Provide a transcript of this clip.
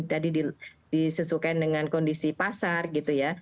jadi disesuaikan dengan kondisi pasar gitu ya